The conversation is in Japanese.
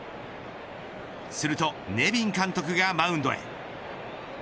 するとネビン監督がマウンドへ。